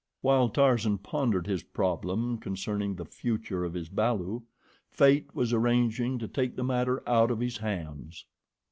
While Tarzan pondered his problem concerning the future of his balu, Fate was arranging to take the matter out of his hands.